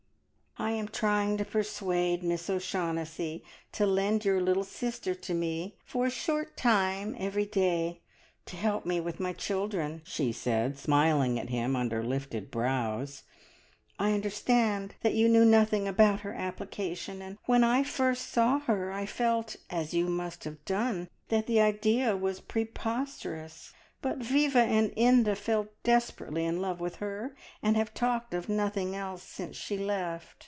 "I am trying to persuade Miss O'Shaughnessy to lend your little sister to me for a short time every day, to help me with my children," she said, smiling at him under lifted brows. "I understand that you knew nothing about her application, and when I first saw her I felt, as you must have done, that the idea was preposterous, but Viva and Inda fell desperately in love with her, and have talked of nothing else since she left.